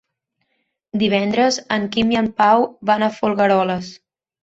Divendres en Quim i en Pau van a Folgueroles.